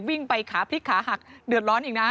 วิ่งไปขาพลิกขาหักเดือดร้อนอีกนะ